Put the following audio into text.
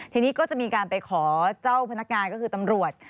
ทีนี้ก็จะมีการไปขอเจ้าพนักงานก็คือตำรวจ